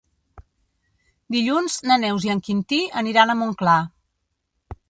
Dilluns na Neus i en Quintí aniran a Montclar.